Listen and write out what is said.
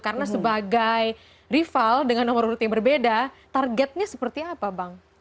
karena sebagai rival dengan nomor huruf yang berbeda targetnya seperti apa bang